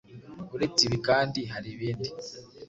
Uretse ibi kandi hari ibindi